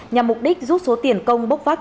nhằm mục đích giúp số tiền công bốc vác